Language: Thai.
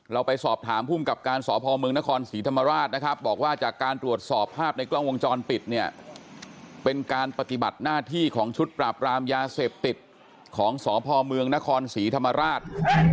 เราไปสอบถามภูมิกับการสพเมืองนครศรีธรรมราชนะครับบอกว่าจากการตรวจสอบภาพในกล้องวงจรปิดเนี่ยเป็นการปฏิบัติหน้าที่ของชุดปราบรามยาเสพติดของสพเมืองนครศรีธรรมราช